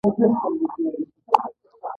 که څوک ژوندی وي، ترې وېرېږي.